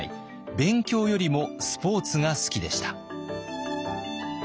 勉強よりもスポーツが好きでした。